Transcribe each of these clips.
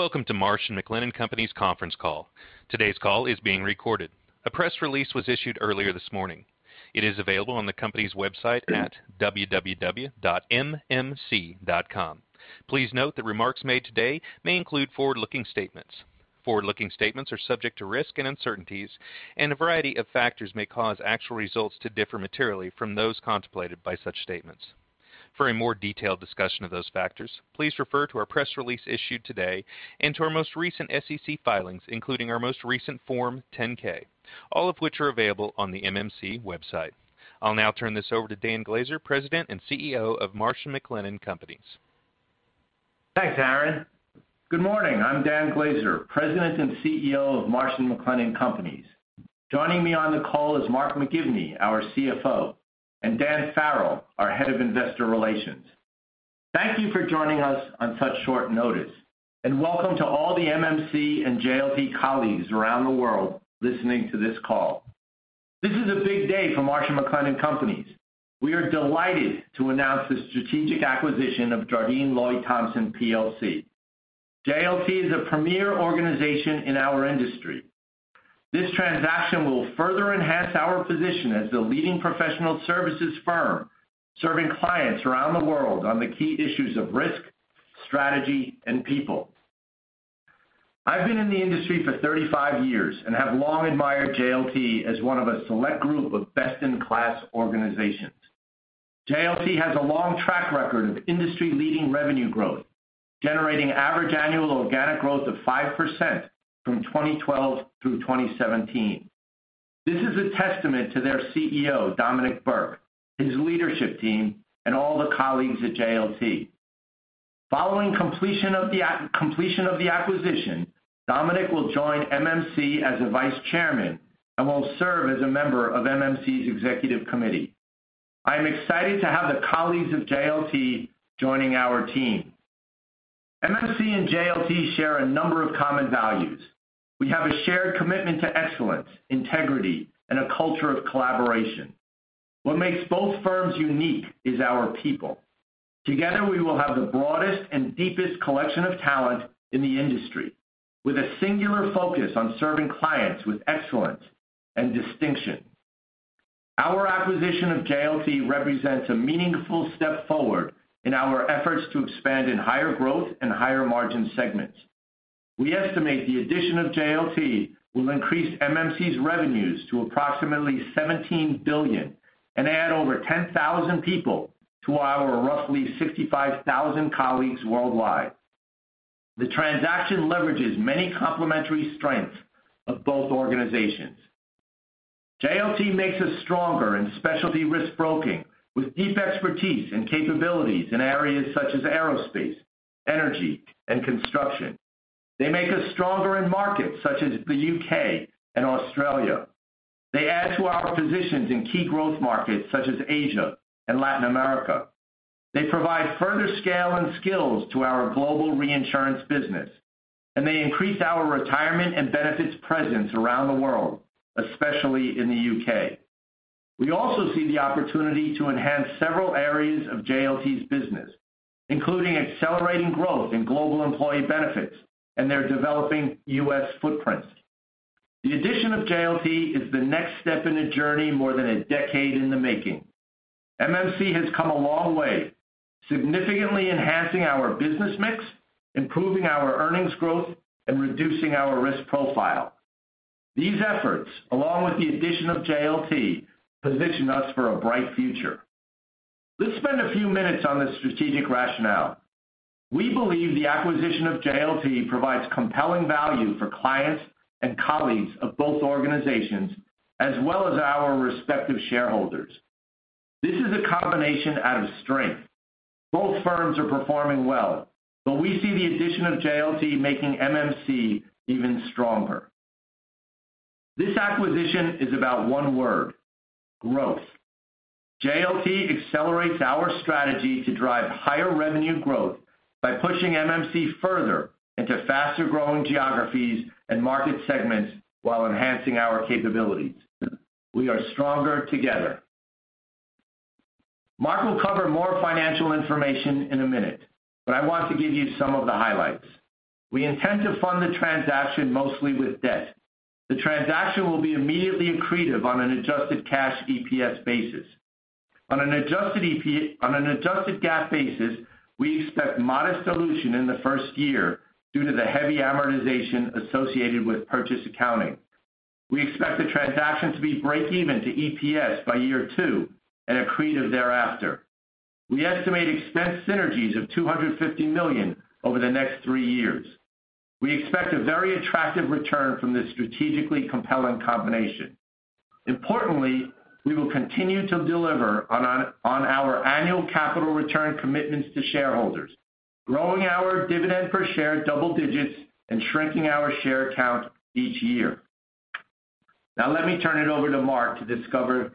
Welcome to Marsh & McLennan Companies conference call. Today's call is being recorded. A press release was issued earlier this morning. It is available on the company's website at www.mmc.com. Please note that remarks made today may include forward-looking statements. Forward-looking statements are subject to risk and uncertainties, and a variety of factors may cause actual results to differ materially from those contemplated by such statements. For a more detailed discussion of those factors, please refer to our press release issued today and to our most recent SEC filings, including our most recent Form 10-K, all of which are available on the MMC website. I'll now turn this over to Dan Glaser, President and CEO of Marsh & McLennan Companies. Thanks, Aaron. Good morning. I'm Dan Glaser, President and CEO of Marsh & McLennan Companies. Joining me on the call is Mark McGivney, our CFO, and Dan Farrell, our Head of Investor Relations. Thank you for joining us on such short notice, and welcome to all the MMC and JLT colleagues around the world listening to this call. This is a big day for Marsh & McLennan Companies. We are delighted to announce the strategic acquisition of Jardine Lloyd Thompson PLC. JLT is a premier organization in our industry. This transaction will further enhance our position as the leading professional services firm, serving clients around the world on the key issues of risk, strategy, and people. I've been in the industry for 35 years and have long admired JLT as one of a select group of best-in-class organizations. JLT has a long track record of industry-leading revenue growth, generating average annual organic growth of 5% from 2012 through 2017. This is a testament to their CEO, Dominic Burke, his leadership team, and all the colleagues at JLT. Following completion of the acquisition, Dominic will join MMC as a Vice Chairman and will serve as a member of MMC's Executive Committee. I am excited to have the colleagues of JLT joining our team. MMC and JLT share a number of common values. We have a shared commitment to excellence, integrity, and a culture of collaboration. What makes both firms unique is our people. Together, we will have the broadest and deepest collection of talent in the industry, with a singular focus on serving clients with excellence and distinction. Our acquisition of JLT represents a meaningful step forward in our efforts to expand in higher growth and higher margin segments. We estimate the addition of JLT will increase MMC's revenues to approximately 17 billion and add over 10,000 people to our roughly 65,000 colleagues worldwide. The transaction leverages many complementary strengths of both organizations. JLT makes us stronger in specialty risk broking with deep expertise and capabilities in areas such as aerospace, energy, and construction. They make us stronger in markets such as the U.K. and Australia. They add to our positions in key growth markets such as Asia and Latin America. They provide further scale and skills to our global reinsurance business, and they increase our retirement and benefits presence around the world, especially in the U.K. We also see the opportunity to enhance several areas of JLT's business, including accelerating growth in global employee benefits and their developing U.S. footprints. The addition of JLT is the next step in a journey more than a decade in the making. MMC has come a long way, significantly enhancing our business mix, improving our earnings growth, and reducing our risk profile. These efforts, along with the addition of JLT, position us for a bright future. Let's spend a few minutes on the strategic rationale. We believe the acquisition of JLT provides compelling value for clients and colleagues of both organizations, as well as our respective shareholders. This is a combination out of strength. Both firms are performing well. We see the addition of JLT making MMC even stronger. This acquisition is about one word: growth. JLT accelerates our strategy to drive higher revenue growth by pushing MMC further into faster-growing geographies and market segments while enhancing our capabilities. We are stronger together. Mark will cover more financial information in a minute, but I want to give you some of the highlights. We intend to fund the transaction mostly with debt. The transaction will be immediately accretive on an adjusted cash EPS basis. On an adjusted GAAP basis, we expect modest dilution in the first year due to the heavy amortization associated with purchase accounting. We expect the transaction to be breakeven to EPS by year two and accretive thereafter. We estimate expense synergies of $250 million over the next three years. We expect a very attractive return from this strategically compelling combination. Importantly, we will continue to deliver on our annual capital return commitments to shareholders, growing our dividend per share double-digits and shrinking our share count each year. Now, let me turn it over to Mark to discuss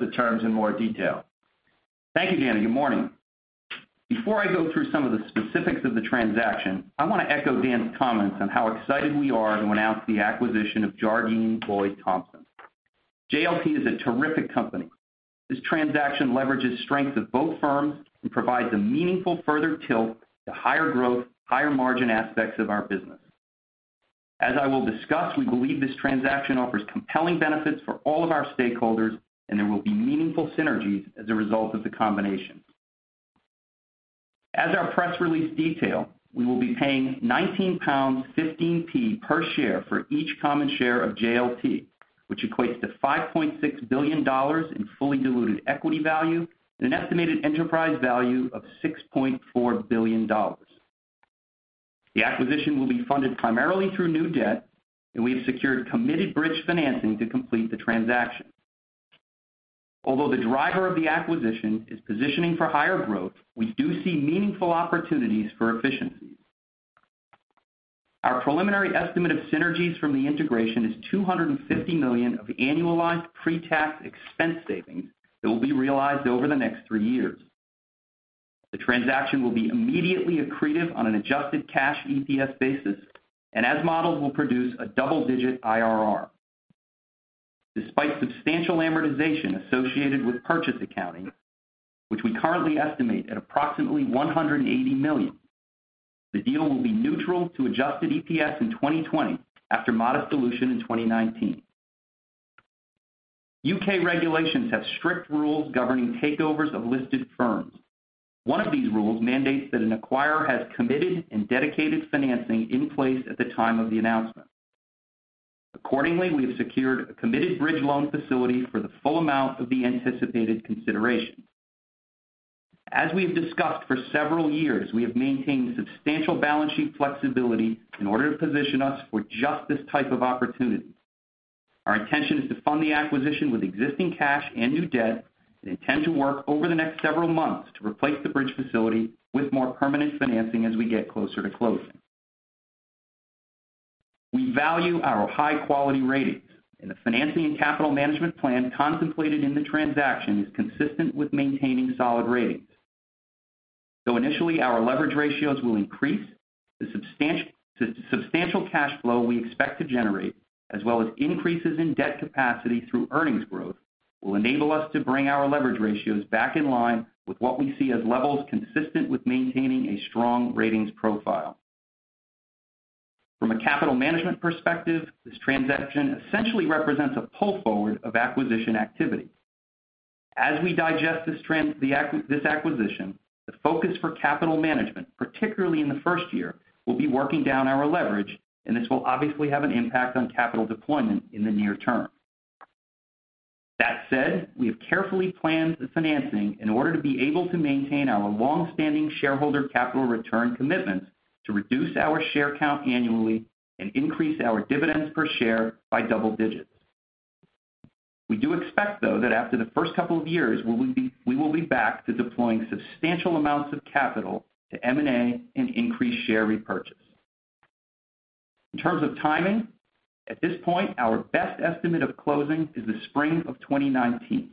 the terms in more detail. Thank you, Dan. Good morning. Before I go through some of the specifics of the transaction, I want to echo Dan's comments on how excited we are to announce the acquisition of Jardine Lloyd Thompson. JLT is a terrific company. This transaction leverages strength of both firms and provides a meaningful further tilt to higher growth, higher margin aspects of our business. As I will discuss, we believe this transaction offers compelling benefits for all of our stakeholders, and there will be meaningful synergies as a result of the combination. As our press release detail, we will be paying 19.15 pounds per share for each common share of JLT, which equates to $5.6 billion in fully diluted equity value and an estimated enterprise value of $6.4 billion. The acquisition will be funded primarily through new debt, and we have secured committed bridge financing to complete the transaction. Although the driver of the acquisition is positioning for higher growth, we do see meaningful opportunities for efficiencies. Our preliminary estimate of synergies from the integration is $250 million of annualized pre-tax expense savings that will be realized over the next three years. The transaction will be immediately accretive on an adjusted cash EPS basis, and as modeled, will produce a double-digit IRR. Despite substantial amortization associated with purchase accounting, which we currently estimate at approximately $180 million, the deal will be neutral to adjusted EPS in 2020 after modest dilution in 2019. U.K. regulations have strict rules governing takeovers of listed firms. One of these rules mandates that an acquirer has committed and dedicated financing in place at the time of the announcement. Accordingly, we have secured a committed bridge loan facility for the full amount of the anticipated consideration. As we have discussed for several years, we have maintained substantial balance sheet flexibility in order to position us for just this type of opportunity. Our intention is to fund the acquisition with existing cash and new debt, and intend to work over the next several months to replace the bridge facility with more permanent financing as we get closer to closing. We value our high-quality ratings, and the financing and capital management plan contemplated in the transaction is consistent with maintaining solid ratings. Though initially our leverage ratios will increase, the substantial cash flow we expect to generate, as well as increases in debt capacity through earnings growth, will enable us to bring our leverage ratios back in line with what we see as levels consistent with maintaining a strong ratings profile. From a capital management perspective, this transaction essentially represents a pull forward of acquisition activity. As we digest this acquisition, the focus for capital management, particularly in the first year, will be working down our leverage, and this will obviously have an impact on capital deployment in the near term. That said, we have carefully planned the financing in order to be able to maintain our longstanding shareholder capital return commitments to reduce our share count annually and increase our dividends per share by double digits. We do expect, though, that after the first couple of years, we will be back to deploying substantial amounts of capital to M&A and increase share repurchase. In terms of timing, at this point, our best estimate of closing is the spring of 2019.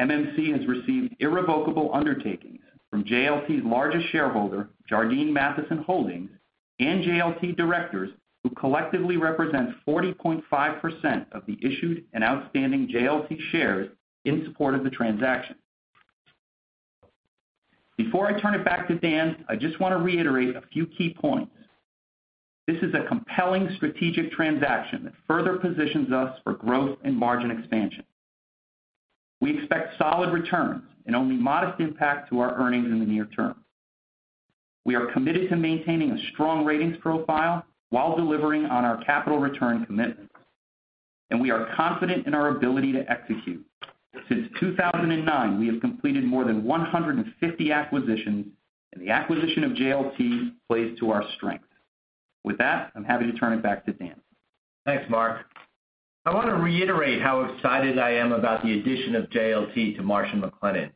MMC has received irrevocable undertakings from JLT's largest shareholder, Jardine Matheson Holdings, and JLT directors, who collectively represent 40.5% of the issued and outstanding JLT shares in support of the transaction. Before I turn it back to Dan, I just want to reiterate a few key points. This is a compelling strategic transaction that further positions us for growth and margin expansion. We expect solid returns and only modest impact to our earnings in the near term. We are committed to maintaining a strong ratings profile while delivering on our capital return commitments, and we are confident in our ability to execute. Since 2009, we have completed more than 150 acquisitions, and the acquisition of JLT plays to our strength. With that, I'm happy to turn it back to Dan. Thanks, Mark. I want to reiterate how excited I am about the addition of JLT to Marsh & McLennan.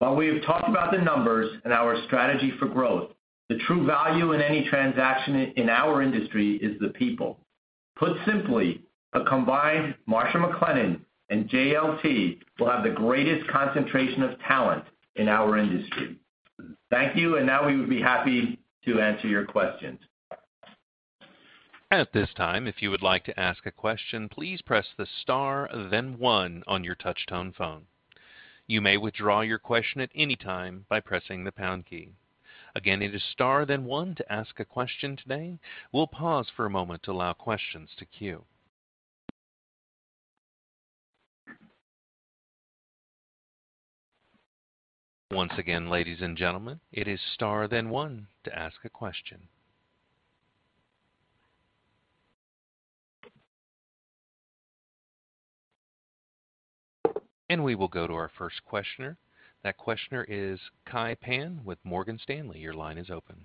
While we have talked about the numbers and our strategy for growth, the true value in any transaction in our industry is the people. Put simply, a combined Marsh & McLennan and JLT will have the greatest concentration of talent in our industry. Thank you, and now we would be happy to answer your questions. At this time, if you would like to ask a question, please press the star, then one on your touch-tone phone. You may withdraw your question at any time by pressing the pound key. Again, it is star, then one to ask a question today. We will pause for a moment to allow questions to queue. Once again, ladies and gentlemen, it is star, then one to ask a question. We will go to our first questioner. That questioner is Kai Pan with Morgan Stanley. Your line is open.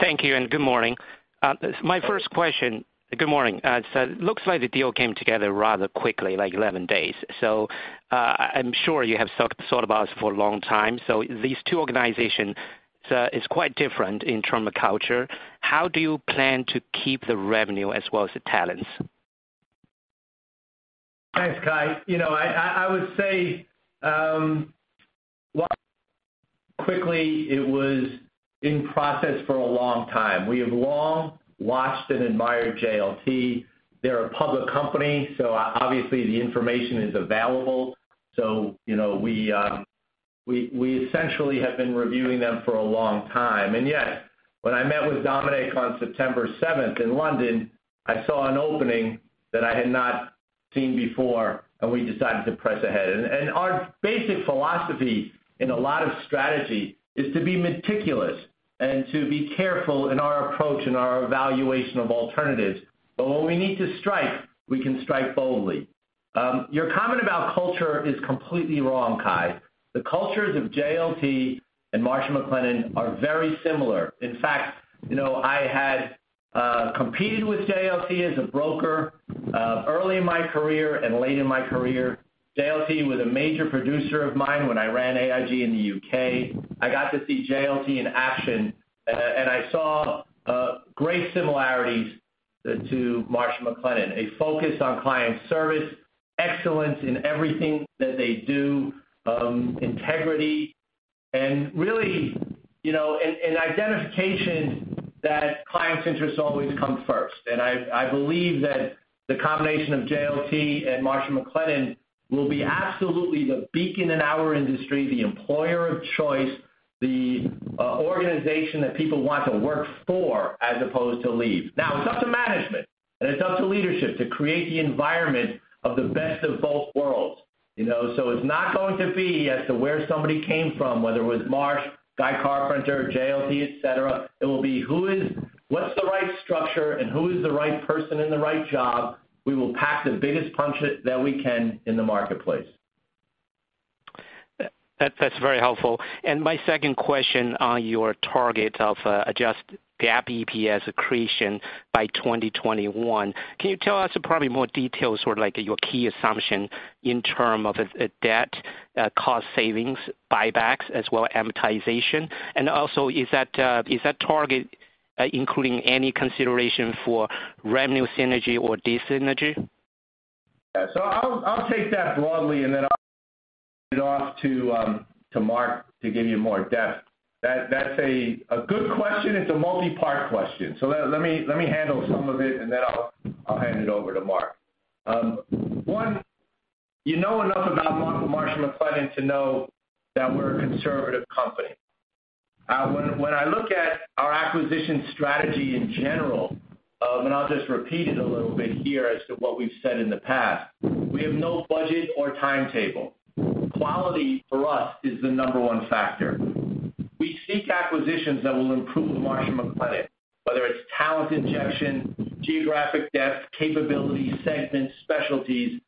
Thank you. Good morning. It looks like the deal came together rather quickly, like 11 days. I'm sure you have thought about this for a long time. These two organizations are quite different in terms of culture. How do you plan to keep the revenue as well as the talents? Thanks, Kai. I would say, while quickly, it was in process for a long time. We have long watched and admired JLT. They're a public company, obviously the information is available. We essentially have been reviewing them for a long time. Yet, when I met with Dominic on September 7th in London, I saw an opening that I had not seen before, and we decided to press ahead. Our basic philosophy in a lot of strategy is to be meticulous and to be careful in our approach and our evaluation of alternatives. When we need to strike, we can strike boldly. Your comment about culture is completely wrong, Kai. The cultures of JLT and Marsh & McLennan are very similar. In fact, I had competed with JLT as a broker early in my career and late in my career. JLT was a major producer of mine when I ran AIG in the U.K. I got to see JLT in action, and I saw great similarities to Marsh & McLennan. A focus on client service, excellence in everything that they do, integrity, and really, an identification that clients' interests always come first. I believe that the combination of JLT and Marsh & McLennan will be absolutely the beacon in our industry, the employer of choice, the organization that people want to work for as opposed to leave. Now, it's up to management, and it's up to leadership to create the environment of the best of both worlds. It's not going to be as to where somebody came from, whether it was Marsh, Guy Carpenter, JLT, et cetera. It will be what's the right structure, and who is the right person in the right job. We will pack the biggest punch that we can in the marketplace. That's very helpful. My second question on your target of adjusted GAAP EPS accretion by 2021. Can you tell us probably more details, sort of like your key assumption in terms of debt, cost savings, buybacks, as well as amortization? Also, is that target including any consideration for revenue synergy or dis-synergy? Yeah. I'll take that broadly, and then I'll hand it off to Mark to give you more depth. That's a good question. It's a multi-part question. Let me handle some of it, and then I'll hand it over to Mark. One, you know enough about Marsh & McLennan to know that we're a conservative company. When I look at our acquisition strategy in general, and I'll just repeat it a little bit here as to what we've said in the past, we have no budget or timetable. Quality, for us, is the number one factor. We seek acquisitions that will improve Marsh & McLennan, whether it's talent injection, geographic depth, capability, segments, specialties.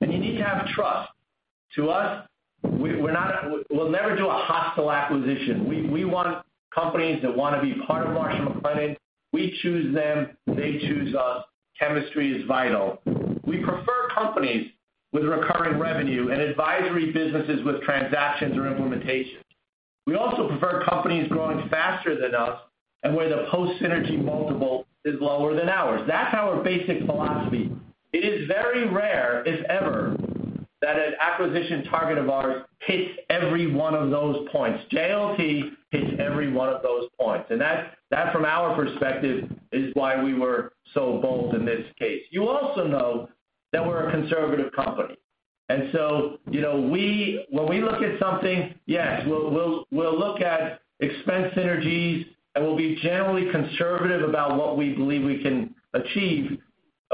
You need to have trust. To us, we'll never do a hostile acquisition. We want companies that want to be part of Marsh & McLennan. We choose them; they choose us. Chemistry is vital. We prefer companies with recurring revenue and advisory businesses with transactions or implementations. We also prefer companies growing faster than us and where the post-synergy multiple is lower than ours. That's our basic philosophy. It is very rare, if ever, that an acquisition target of ours hits every one of those points. JLT hits every one of those points. That, from our perspective, is why we were so bold in this case. You also know that we're a conservative company. When we look at something, yes, we'll look at expense synergies, and we'll be generally conservative about what we believe we can achieve.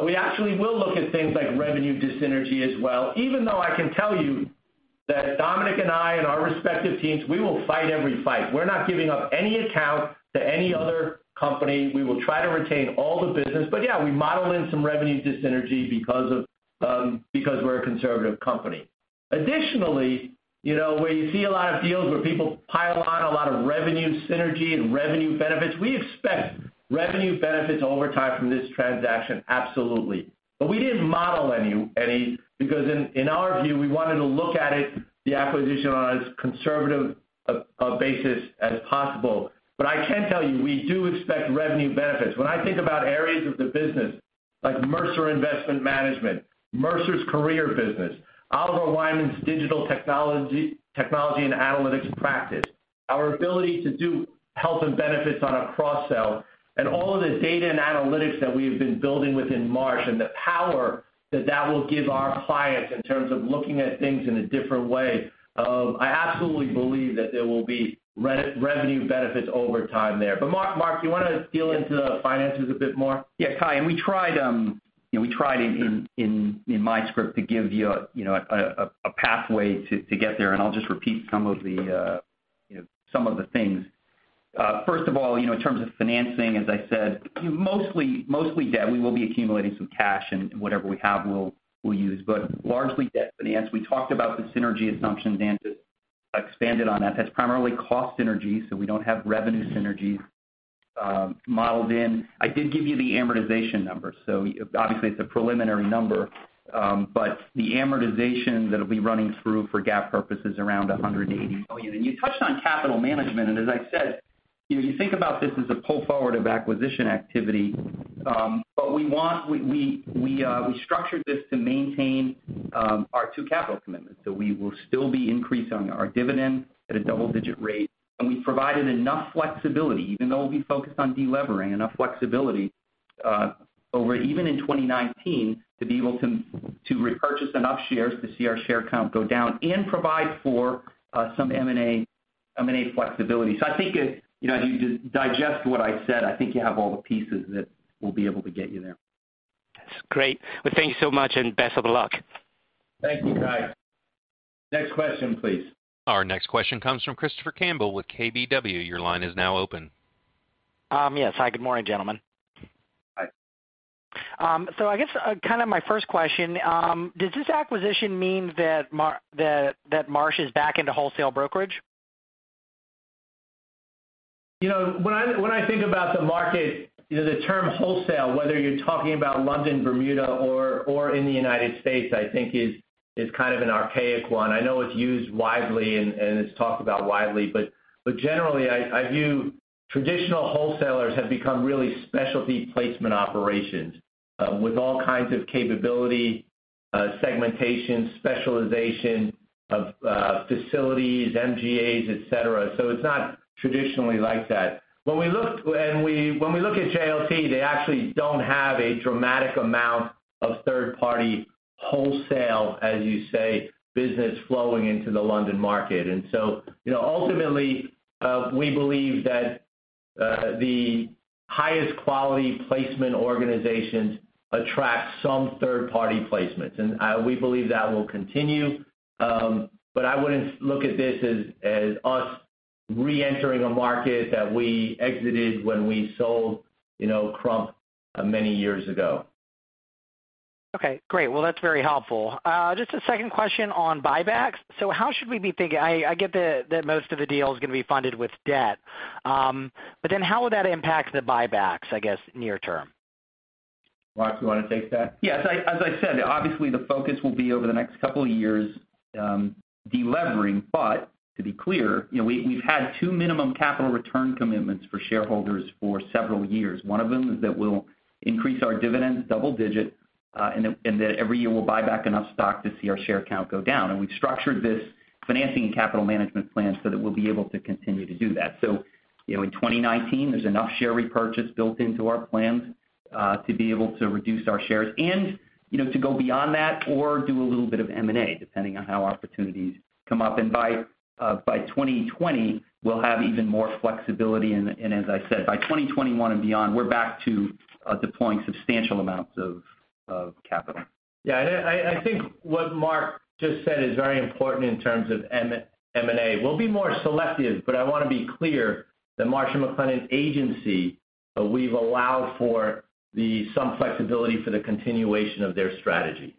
We actually will look at things like revenue dis-synergy as well, even though I can tell you that Dominic and I and our respective teams, we will fight every fight. We're not giving up any account to any other company. Yeah, we model in some revenue dis-synergy because we're a conservative company. Additionally, where you see a lot of deals where people pile on a lot of revenue synergy and revenue benefits, we expect revenue benefits over time from this transaction, absolutely. We didn't model any because in our view, we wanted to look at it, the acquisition, on as conservative a basis as possible. I can tell you, we do expect revenue benefits. When I think about areas of the business like Mercer Investment Management, Mercer's career business, Oliver Wyman's digital technology and analytics practice, our ability to do health and benefits on a cross-sell, and all of the data and analytics that we have been building within Marsh, and the power that that will give our clients in terms of looking at things in a different way, I absolutely believe that there will be revenue benefits over time there. Mark, do you want to deal into finances a bit more? Yeah, Kai, we tried in my script to give you a pathway to get there, and I'll just repeat some of the things. First of all, in terms of financing, as I said, mostly debt. We will be accumulating some cash, and whatever we have we'll use. Largely debt finance. We talked about the synergy assumptions and expanded on that. That's primarily cost synergies, so we don't have revenue synergies modeled in. I did give you the amortization number, so obviously it's a preliminary number. The amortization that'll be running through for GAAP purposes around $180 million. You touched on capital management, and as I said, if you think about this as a pull forward of acquisition activity, we structured this to maintain our two capital commitments. We will still be increasing our dividend at a double-digit rate, and we provided enough flexibility, even though we'll be focused on de-levering, enough flexibility over even in 2019 to be able to repurchase enough shares to see our share count go down and provide for some M&A flexibility. I think as you digest what I said, I think you have all the pieces that will be able to get you there. That's great. Well, thank you so much and best of luck. Thank you, Kai. Next question, please. Our next question comes from Christopher Campbell with KBW. Your line is now open. Yes. Hi, good morning, gentlemen. Hi. I guess kind of my first question, does this acquisition mean that Marsh is back into wholesale brokerage? When I think about the market, the term wholesale, whether you're talking about London, Bermuda or in the U.S., I think is kind of an archaic one. I know it's used widely and it's talked about widely, but generally I view traditional wholesalers have become really specialty placement operations with all kinds of capability, segmentation, specialization of facilities, MGAs, et cetera. It's not traditionally like that. When we look at JLT, they actually don't have a dramatic amount of third-party wholesale, as you say, business flowing into the London market. Ultimately, we believe that the highest quality placement organizations attract some third-party placements, and we believe that will continue. I wouldn't look at this as us re-entering a market that we exited when we sold Crump many years ago. Okay, great. Well, that's very helpful. Just a second question on buybacks. How should we be thinking? I get that most of the deal is going to be funded with debt. How would that impact the buybacks, I guess, near term? Mark, do you want to take that? Yes. As I said, obviously the focus will be over the next couple of years de-levering. To be clear, we've had two minimum capital return commitments for shareholders for several years. One of them is that we'll increase our dividends double digit, and that every year we'll buy back enough stock to see our share count go down. We've structured this financing and capital management plan so that we'll be able to continue to do that. In 2019, there's enough share repurchase built into our plans to be able to reduce our shares and to go beyond that or do a little bit of M&A, depending on how opportunities come up. By 2020, we'll have even more flexibility. As I said, by 2021 and beyond, we're back to deploying substantial amounts of capital. Yeah, I think what Mark just said is very important in terms of M&A. We'll be more selective, but I want to be clear that Marsh & McLennan Agency, we've allowed for some flexibility for the continuation of their strategy.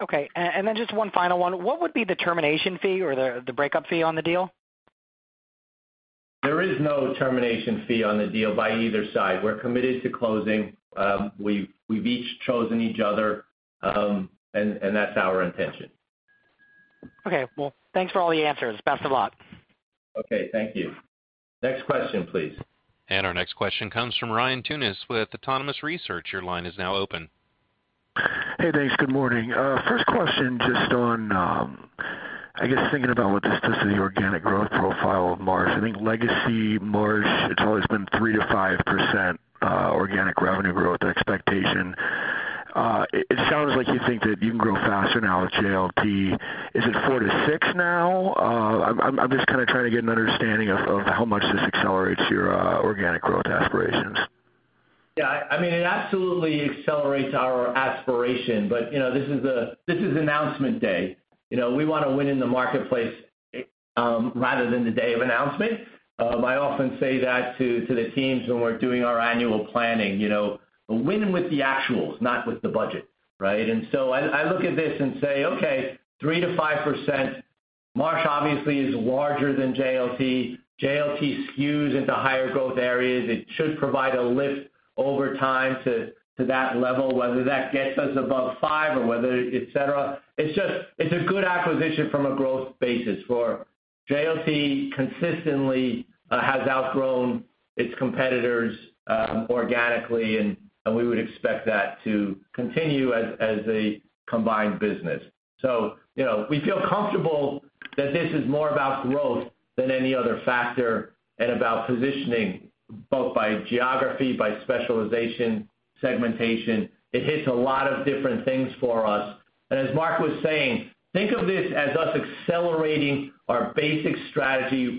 Okay. Just one final one. What would be the termination fee or the breakup fee on the deal? There is no termination fee on the deal by either side. We're committed to closing. We've each chosen each other, that's our intention. Okay. Well, thanks for all the answers. Best of luck. Okay. Thank you. Next question, please. Our next question comes from Ryan Tunis with Autonomous Research. Your line is now open. Hey, thanks. Good morning. First question just on, I guess thinking about what this does to the organic growth profile of Marsh. I think legacy Marsh, it's always been 3%-5% organic revenue growth expectation. It sounds like you think that you can grow faster now with JLT. Is it 4%-6% now? I'm just kind of trying to get an understanding of how much this accelerates your organic growth aspirations. Yeah, it absolutely accelerates our aspiration. This is announcement day. We want to win in the marketplace rather than the day of announcement. I often say that to the teams when we're doing our annual planning. Win with the actuals, not with the budget, right? I look at this and say, okay, 3%-5%. Marsh obviously is larger than JLT. JLT skews into higher growth areas. It should provide a lift over time to that level, whether that gets us above five or whether et cetera. It's a good acquisition from a growth basis, for JLT consistently has outgrown its competitors organically, and we would expect that to continue as a combined business. We feel comfortable that this is more about growth than any other factor and about positioning both by geography, by specialization, segmentation. It hits a lot of different things for us. As Mark was saying, think of this as us accelerating our basic strategy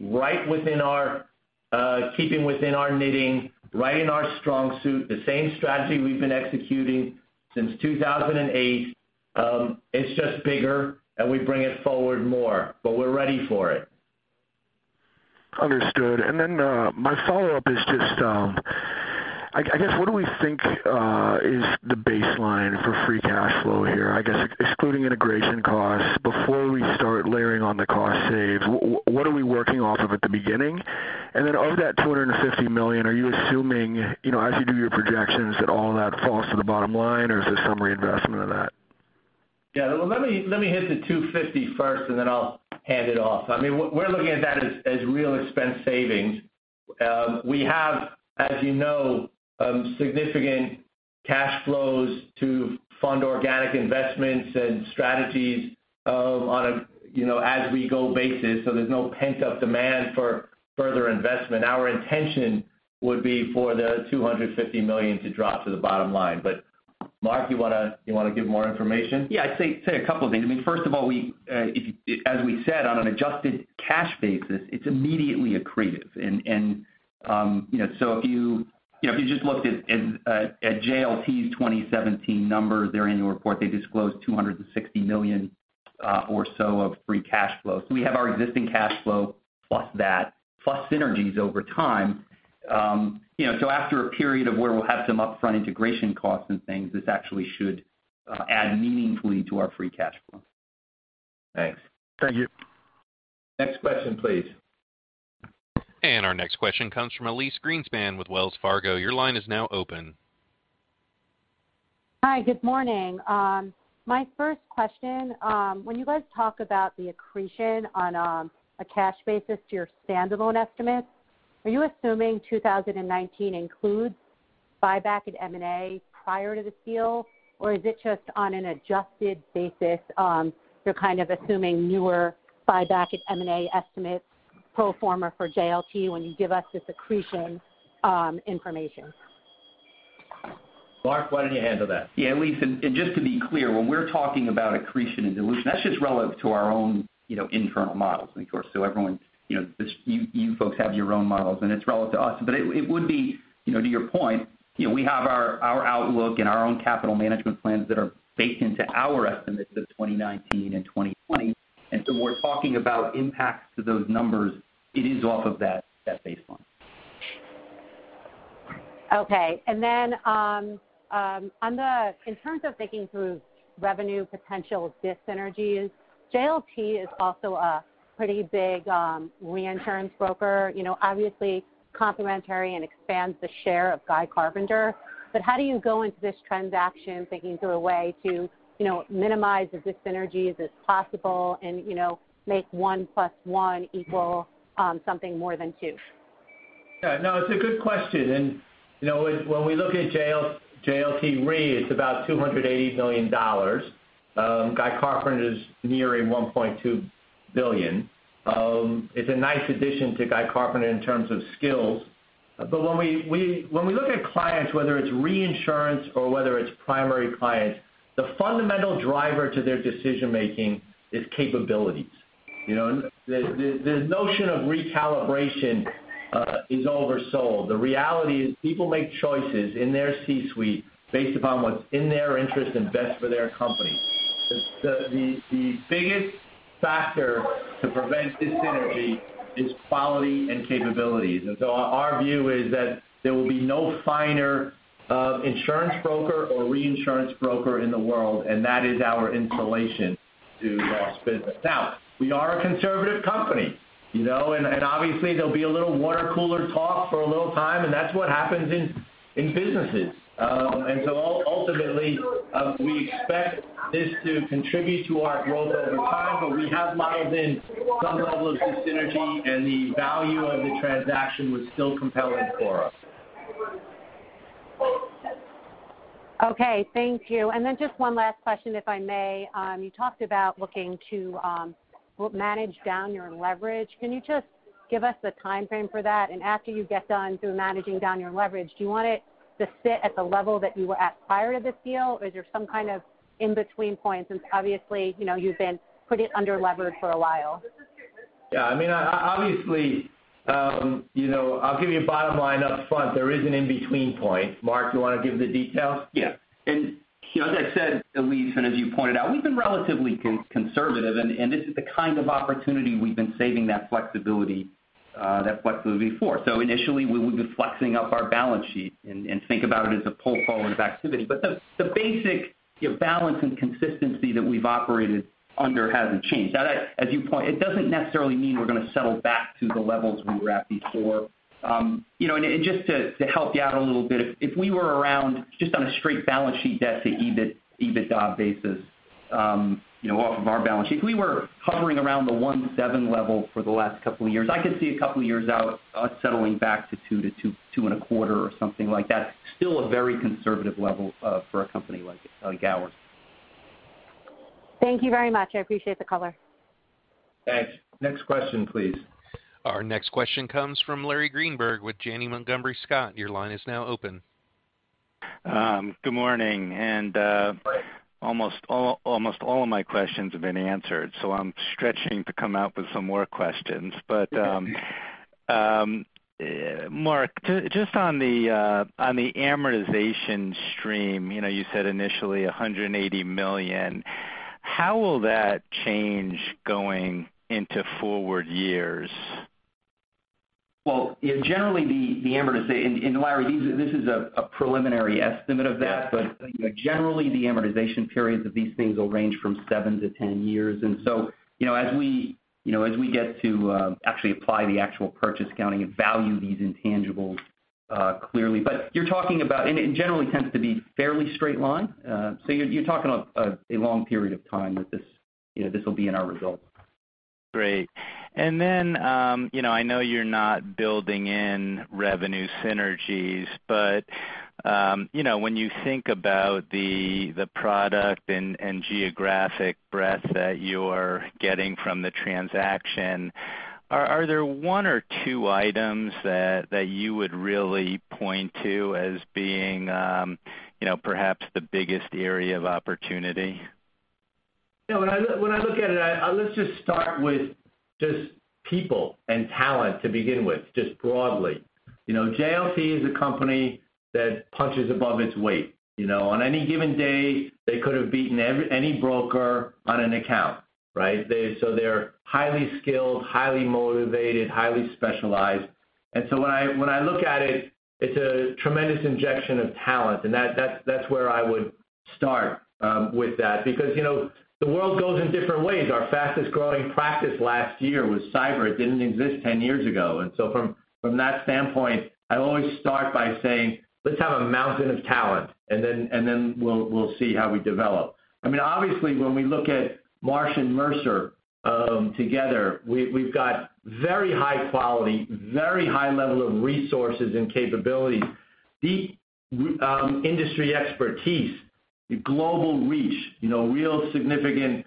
keeping within our knitting, right in our strong suit, the same strategy we've been executing since 2008. It's just bigger, and we bring it forward more. We're ready for it. Understood. My follow-up is just, I guess, what do we think is the baseline for free cash flow here? I guess excluding integration costs, before we start layering on the cost saves, what are we working off of at the beginning? Of that $250 million, are you assuming as you do your projections, that all that falls to the bottom line or is there some reinvestment of that? Yeah. Well, let me hit the 250 first. I'll hand it off. We're looking at that as real expense savings. We have, as you know, significant cash flows to fund organic investments and strategies on an as-we-go basis, so there's no pent-up demand for further investment. Our intention would be for the $250 million to drop to the bottom line. Mark, you want to give more information? Yeah. I'd say a couple of things. First of all, as we said, on an adjusted cash basis, it's immediately accretive. If you just looked at JLT's 2017 numbers, their annual report, they disclosed $260 million or so of free cash flow. We have our existing cash flow, plus that, plus synergies over time. After a period of where we'll have some upfront integration costs and things, this actually should add meaningfully to our free cash flow. Thanks. Thank you. Next question, please. Our next question comes from Elyse Greenspan with Wells Fargo. Your line is now open. Hi. Good morning. My first question, when you guys talk about the accretion on a cash basis to your standalone estimates, are you assuming 2019 includes buyback at M&A prior to this deal? Or is it just on an adjusted basis, you're kind of assuming newer buyback at M&A estimates pro forma for JLT when you give us this accretion information? Mark, why don't you handle that? Yeah, Elyse, just to be clear, when we're talking about accretion and dilution, that's just relative to our own internal models. Of course, you folks have your own models, it's relative to us. It would be, to your point, we have our outlook and our own capital management plans that are baked into our estimates of 2019 and 2020, we're talking about impacts to those numbers, it is off of that baseline. Okay. In terms of thinking through revenue potential dis-synergies, JLT is also a pretty big reinsurance broker. Obviously, complementary and expands the share of Guy Carpenter. How do you go into this transaction thinking through a way to minimize the dis-synergies as possible and make one plus one equal something more than two? Yeah, no, it's a good question. When we look at JLT Re, it's about $280 million. Guy Carpenter is nearing $1.2 billion. It's a nice addition to Guy Carpenter in terms of skills. When we look at clients, whether it's reinsurance or whether it's primary clients, the fundamental driver to their decision-making is capabilities. The notion of recalibration is oversold. The reality is people make choices in their C-suite based upon what's in their interest and best for their company. The biggest factor to prevent dis-synergy is quality and capabilities. Our view is that there will be no finer insurance broker or reinsurance broker in the world, and that is our insulation to lost business. We are a conservative company, and obviously there'll be a little water cooler talk for a little time, and that's what happens in businesses. Ultimately, we expect this to contribute to our growth over time, but we have modeled in some level of dis-synergy and the value of the transaction was still compelling for us. Okay, thank you. Just one last question, if I may. You talked about looking to manage down your leverage. Can you just give us the timeframe for that? After you get done through managing down your leverage, do you want it to sit at the level that you were at prior to this deal, or is there some kind of in-between point, since obviously you've been pretty under-levered for a while? Yeah. Obviously, I'll give you a bottom line up front. There is an in-between point. Mark, you want to give the details? Yeah. As I said, Elyse, and as you pointed out, we've been relatively conservative, and this is the kind of opportunity we've been saving that flexibility for. Initially, we would be flexing up our balance sheet and think about it as a pull forward of activity. The basic balance and consistency that we've operated under hasn't changed. Now, as you point, it doesn't necessarily mean we're going to settle back to the levels we were at before. Just to help you out a little bit, if we were around, just on a straight balance sheet debt to EBITDA basis, off of our balance sheet, if we were hovering around the 1.7 level for the last couple of years, I could see a couple of years out us settling back to 2 to 2.25 or something like that. Still a very conservative level for a company like ours. Thank you very much. I appreciate the color. Thanks. Next question, please. Our next question comes from Larry Greenberg with Janney Montgomery Scott. Your line is now open. Good morning. Almost all of my questions have been answered, so I'm stretching to come up with some more questions. Mark, just on the amortization stream, you said initially $180 million. How will that change going into forward years? Well, Larry, this is a preliminary estimate of that. Yeah. Generally, the amortization periods of these things will range from seven to 10 years. As we get to actually apply the actual purchase accounting and value these intangibles. clearly. You're talking about, it generally tends to be fairly straight line. You're talking about a long period of time that this will be in our results. Great. Then, I know you're not building in revenue synergies, when you think about the product and geographic breadth that you're getting from the transaction, are there one or two items that you would really point to as being perhaps the biggest area of opportunity? Yeah, when I look at it, let's just start with just people and talent to begin with, just broadly. JLT is a company that punches above its weight. On any given day, they could've beaten any broker on an account, right? They're highly skilled, highly motivated, highly specialized. When I look at it's a tremendous injection of talent, and that's where I would start with that. The world goes in different ways. Our fastest-growing practice last year was cyber. It didn't exist 10 years ago. From that standpoint, I always start by saying, "Let's have a mountain of talent, and then we'll see how we develop." Obviously, when we look at Marsh & Mercer together, we've got very high quality, very high level of resources and capabilities, deep industry expertise, global reach, real significant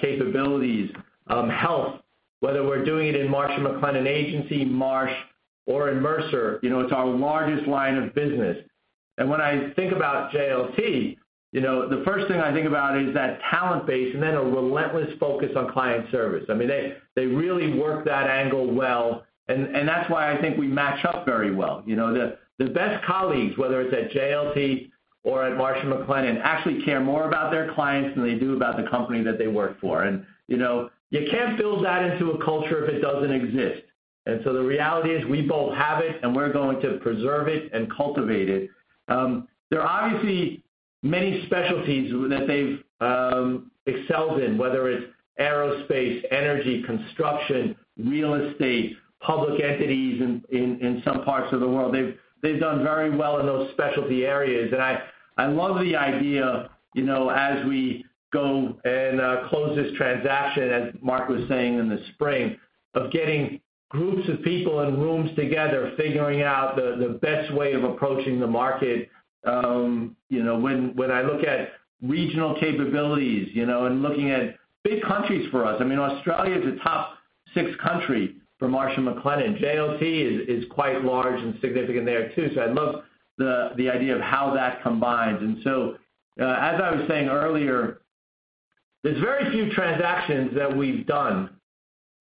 capabilities. Health, whether we're doing it in Marsh & McLennan Agency, Marsh, or in Mercer, it's our largest line of business. When I think about JLT, the first thing I think about is that talent base and then a relentless focus on client service. They really work that angle well, and that's why I think we match up very well. The best colleagues, whether it's at JLT or at Marsh & McLennan, actually care more about their clients than they do about the company that they work for. You can't build that into a culture if it doesn't exist. The reality is, we both have it, and we're going to preserve it and cultivate it. There are obviously many specialties that they've excelled in, whether it's aerospace, energy, construction, real estate, public entities in some parts of the world. They've done very well in those specialty areas. I love the idea as we go and close this transaction, as Mark was saying in the spring, of getting groups of people in rooms together, figuring out the best way of approaching the market. When I look at regional capabilities, looking at big countries for us. Australia's a top six country for Marsh & McLennan. JLT is quite large and significant there too. I love the idea of how that combines. As I was saying earlier, there's very few transactions that we've done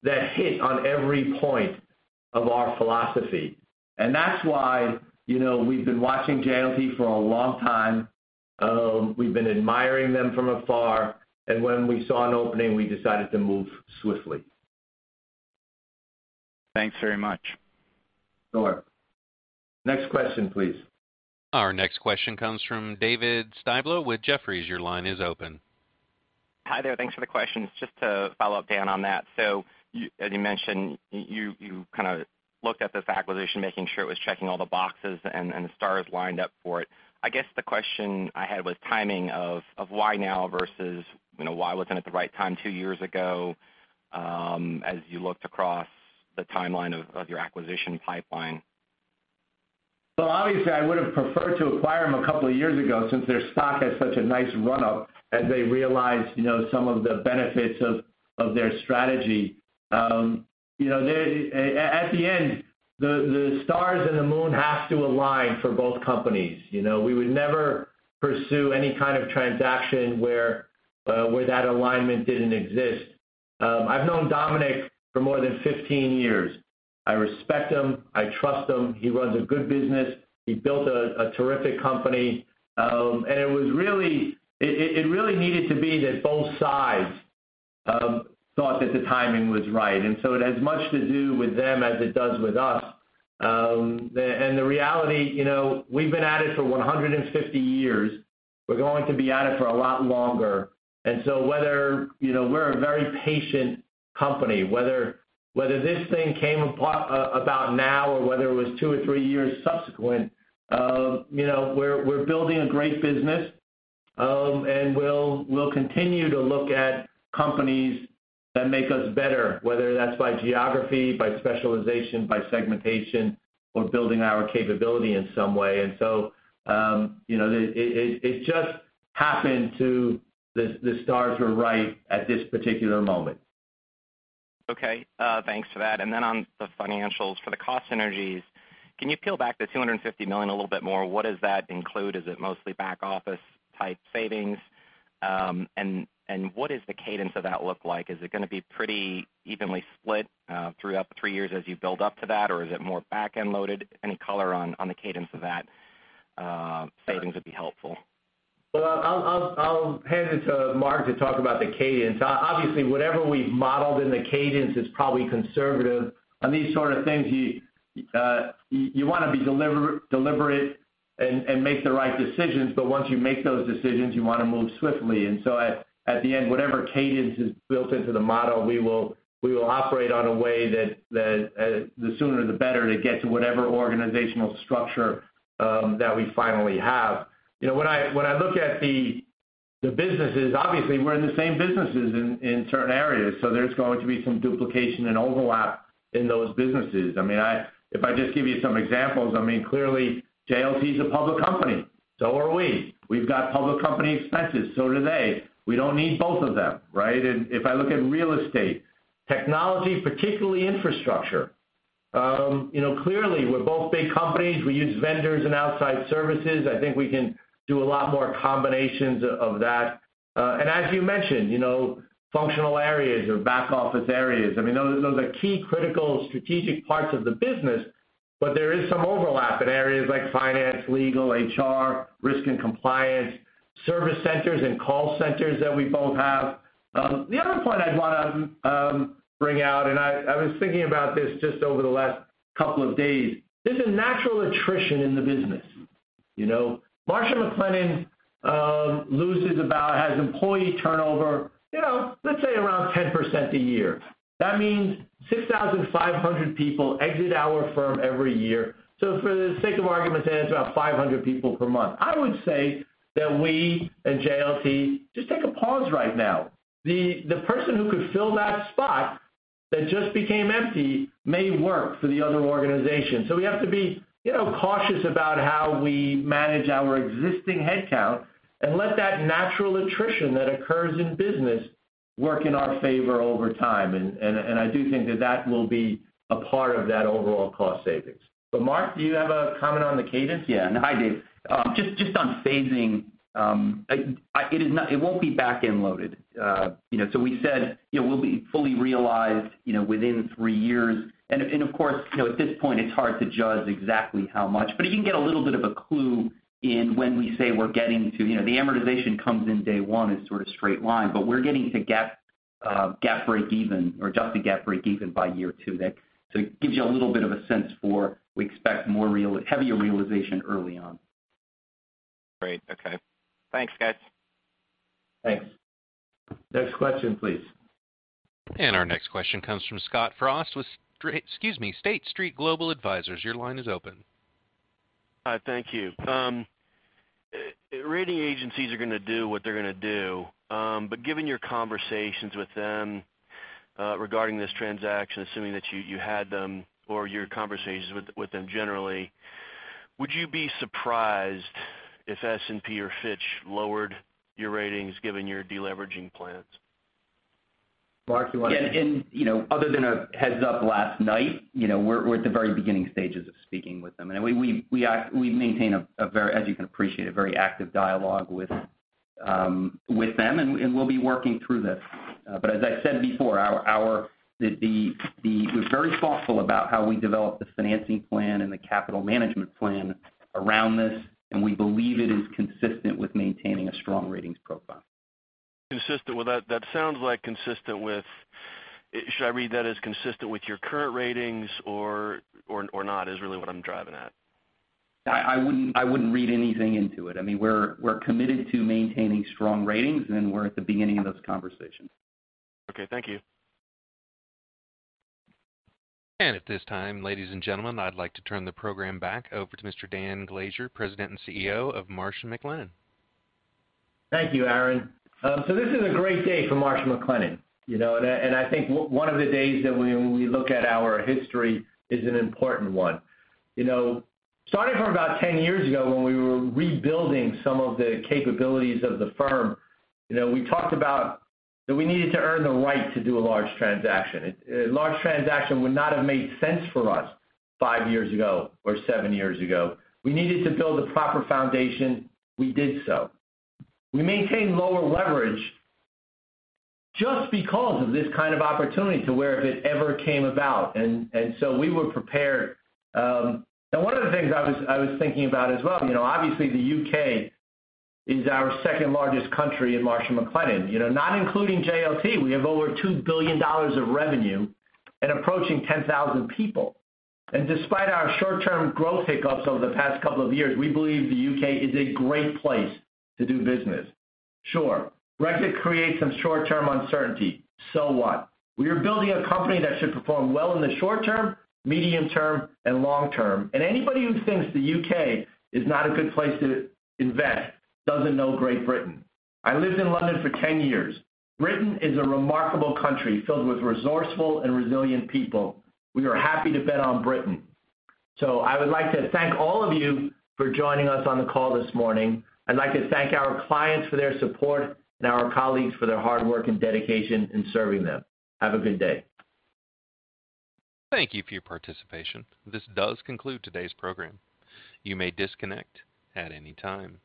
that hit on every point of our philosophy. That's why we've been watching JLT for a long time. We've been admiring them from afar, when we saw an opening, we decided to move swiftly. Thanks very much. Sure. Next question, please. Our next question comes from Dave Styblo with Jefferies. Your line is open. Hi there. Thanks for the questions. Just to follow up, Dan, on that. As you mentioned, you kind of looked at this acquisition, making sure it was checking all the boxes and the stars lined up for it. I guess the question I had was timing of why now versus why wasn't it the right time two years ago, as you looked across the timeline of your acquisition pipeline? Obviously, I would've preferred to acquire them a couple of years ago, since their stock had such a nice run up as they realized some of the benefits of their strategy. At the end, the stars and the moon have to align for both companies. We would never pursue any kind of transaction where that alignment didn't exist. I've known Dominic for more than 15 years. I respect him. I trust him. He runs a good business. He built a terrific company. It really needed to be that both sides thought that the timing was right. It has as much to do with them as it does with us. The reality, we've been at it for 150 years. We're going to be at it for a lot longer. We're a very patient company. Whether this thing came about now or whether it was two or three years subsequent, we're building a great business, and we'll continue to look at companies that make us better, whether that's by geography, by specialization, by segmentation, or building our capability in some way. It just happened to the stars were right at this particular moment. Okay. Thanks for that. On the financials for the cost synergies, can you peel back the $250 million a little bit more? What does that include? Is it mostly back office type savings? What is the cadence of that look like? Is it going to be pretty evenly split throughout the three years as you build up to that, or is it more back-end loaded? Any color on the cadence of that savings would be helpful. I'll hand it to Mark to talk about the cadence. Obviously, whatever we've modeled in the cadence is probably conservative. On these sort of things, you want to be deliberate and make the right decisions. Once you make those decisions, you want to move swiftly. At the end, whatever cadence is built into the model, we will operate on a way that the sooner, the better to get to whatever organizational structure that we finally have. When I look at the businesses, obviously, we're in the same businesses in certain areas. There's going to be some duplication and overlap in those businesses. If I just give you some examples, clearly JLT is a public company. So are we. We've got public company expenses, so do they. We don't need both of them. If I look at real estate, technology, particularly infrastructure. Clearly we're both big companies. We use vendors and outside services. I think we can do a lot more combinations of that. As you mentioned, functional areas or back office areas. Those are key critical strategic parts of the business, but there is some overlap in areas like finance, legal, HR, risk and compliance, service centers, and call centers that we both have. The other point I'd want to bring out, and I was thinking about this just over the last couple of days. There's a natural attrition in the business. Marsh & McLennan has employee turnover let's say around 10% a year. That means 6,500 people exit our firm every year. For the sake of argument, say it's about 500 people per month. I would say that we and JLT just take a pause right now. The person who could fill that spot that just became empty may work for the other organization. We have to be cautious about how we manage our existing headcount and let that natural attrition that occurs in business work in our favor over time. I do think that that will be a part of that overall cost savings. Mark, do you have a comment on the cadence? No, I do. Just on phasing. It won't be back-end loaded. We said it will be fully realized within 3 years. Of course, at this point, it's hard to judge exactly how much. You can get a little bit of a clue in when we say we're getting to the amortization comes in day one is sort of straight line, but we're getting to GAAP break even or adjusted GAAP break even by year two. It gives you a little bit of a sense for, we expect heavier realization early on. Great. Okay. Thanks, guys. Thanks. Next question, please. Our next question comes from Scott Frost with State Street Global Advisors. Your line is open. Hi, thank you. Rating agencies are going to do what they're going to do. Given your conversations with them regarding this transaction, assuming that you had them, or your conversations with them generally, would you be surprised if S&P or Fitch lowered your ratings given your de-leveraging plans? Mark, do you want to- Other than a heads-up last night, we're at the very beginning stages of speaking with them. We maintain, as you can appreciate, a very active dialogue with them, and we'll be working through this. As I said before, we were very thoughtful about how we developed this financing plan and the capital management plan around this, and we believe it is consistent with maintaining a strong ratings profile. Consistent. Should I read that as consistent with your current ratings or not? Is really what I'm driving at. I wouldn't read anything into it. We're committed to maintaining strong ratings, and we're at the beginning of those conversations. Okay. Thank you. At this time, ladies and gentlemen, I'd like to turn the program back over to Mr. Dan Glaser, President and CEO of Marsh & McLennan. Thank you, Aaron. This is a great day for Marsh & McLennan. I think one of the days that when we look at our history is an important one. Starting from about 10 years ago when we were rebuilding some of the capabilities of the firm, we talked about that we needed to earn the right to do a large transaction. A large transaction would not have made sense for us 5 years ago or 7 years ago. We needed to build a proper foundation. We did so. We maintained lower leverage just because of this kind of opportunity to where if it ever came about. We were prepared. One of the things I was thinking about as well, obviously the U.K. is our second largest country in Marsh & McLennan. Not including JLT, we have over $2 billion of revenue and approaching 10,000 people. Despite our short-term growth hiccups over the past couple of years, we believe the U.K. is a great place to do business. Sure, Brexit creates some short-term uncertainty. So what? We are building a company that should perform well in the short term, medium term, and long term. Anybody who thinks the U.K. is not a good place to invest doesn't know Great Britain. I lived in London for 10 years. Britain is a remarkable country filled with resourceful and resilient people. We are happy to bet on Britain. I would like to thank all of you for joining us on the call this morning. I'd like to thank our clients for their support, and our colleagues for their hard work and dedication in serving them. Have a good day. Thank you for your participation. This does conclude today's program. You may disconnect at any time.